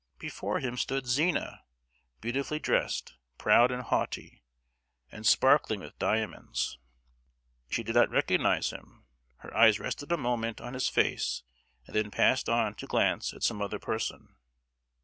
Before him stood Zina, beautifully dressed, proud and haughty, and sparkling with diamonds! She did not recognize him; her eyes rested a moment on his face, and then passed on to glance at some other person.